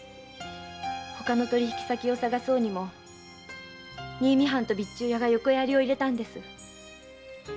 他の取引先を探そうにも新見藩と備中屋が横やりを入れたんです。